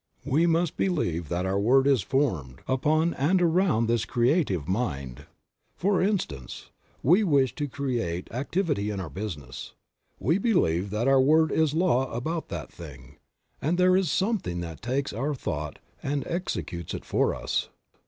We must believe that our word is formed upon and around by this creative Mind; for instance, we wish to create activity in our business; we believe that our word is law about that thing, and there is something that takes our thought and executes it for us.